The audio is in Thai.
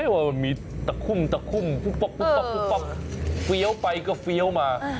ว่ามีตะคุ่มปุ๊บป๊อบปุ๊บป๊อบเฟี้ยวไปก็เฟี้ยวมา